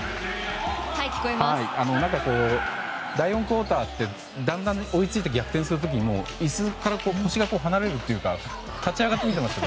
第４クオーターでだんだん追いついて逆転する時は椅子から腰が離れるというか立ち上がって見ていました。